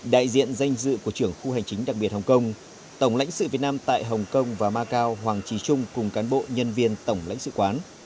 đại diện danh dự của trưởng khu hành chính đặc biệt hồng kông tổng lãnh sự việt nam tại hồng kông và macau hoàng trí trung cùng cán bộ nhân viên tổng lãnh sự quán